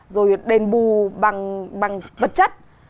rồi đền bù bằng vật chất